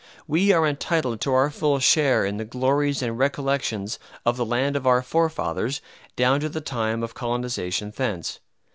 We are entitled to our full share in the glories and recollections of the land of our forefathers, down to the time of colonization thence.